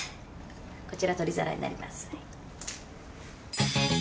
こちら取り皿になります。